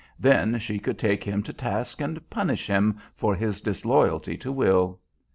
Then she could take him to task and punish him for his disloyalty to Will.